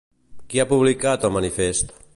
Qui ha publicat el manifest?